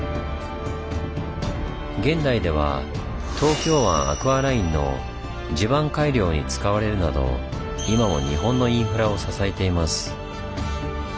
現代では東京湾アクアラインの地盤改良に使われるなど今も日本のインフラを支えています。